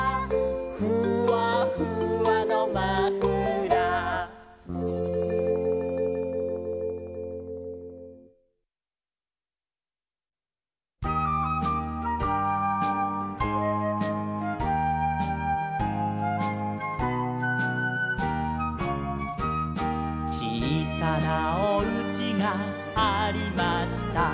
「ふわふわのマフラー」「ちいさなおうちがありました」